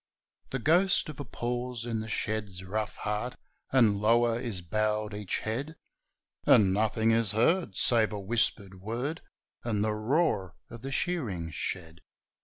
The ghost of a pause in the shed's rough heart, And lower is bowed each head ; And nothing is heard, save a whispered word, And the roar of the shearing shed.